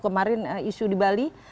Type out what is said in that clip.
kemarin isu di bali